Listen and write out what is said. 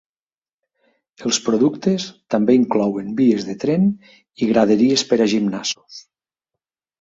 Els productes també inclouen vies de tren i graderies per a gimnasos.